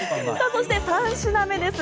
そして３品目です。